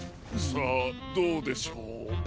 さあどうでしょう？